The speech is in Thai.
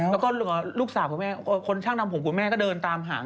พวกลูกสาบคุณแม่คนช่างดำผมคุณแม่ก็เดิน